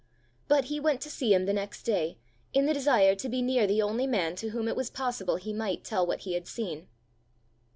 But he went to see him the next day, in the desire to be near the only man to whom it was possible he might tell what he had seen.